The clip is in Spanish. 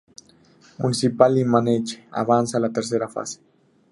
Municipal Limache avanza a la tercera fase.